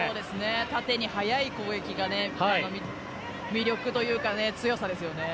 縦に速い攻撃が魅力というか強さですよね。